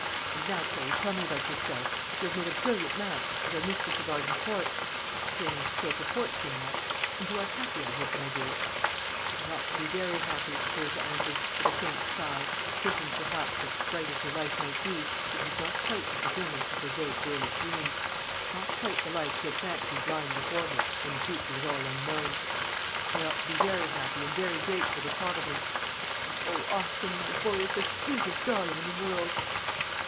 And now, Clary, tell me about yourself. You have made a brilliant match, and are mistress of Arden Court. A strange stroke of fortune that. And you are happy, I hope, my dear?" "I ought to be very happy," Clarissa answered, with a faint sigh, thinking perhaps that, bright as her life might be, it was not quite the fulfilment of her vague girlish dreams not quite the life she had fancied lying before her when the future was all unknown; "I ought to be very happy and very grateful to Providence; and, O Austin, my boy is the sweetest darling is the world!"